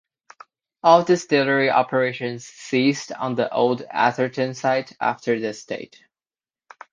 All distillery operations ceased on the old Atherton site after this date.